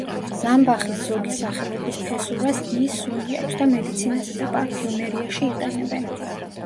ზამბახის ზოგი სახეობის ფესურას იის სუნი აქვს და მედიცინასა და პარფიუმერიაში იყენებენ.